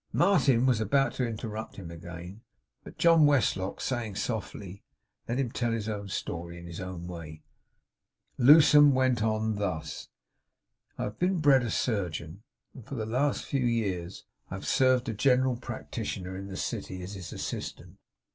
Martin was about to interrupt him again, but John Westlock saying softly, 'Let him tell his story in his own way,' Lewsome went on thus: 'I have been bred a surgeon, and for the last few years have served a general practitioner in the City, as his assistant.